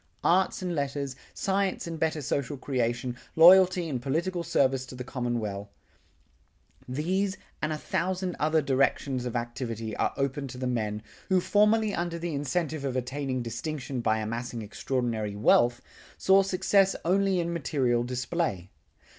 Arts and letters, science and better social creation, loyalty and political service to the commonweal, these and a thousand other directions of activity are open to the men, who formerly under the incentive of attaining distinction by amassing extraordinary wealth, saw success only in material display.